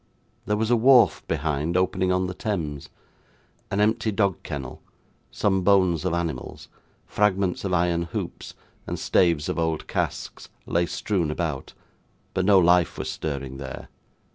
There was a wharf behind, opening on the Thames. An empty dog kennel, some bones of animals, fragments of iron hoops, and staves of old casks, lay strewn about, but no life was stirring there.